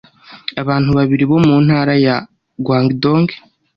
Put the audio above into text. abantu babiri bo mu ntara ya Guangdong